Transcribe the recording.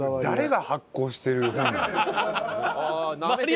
誰が発行してる本？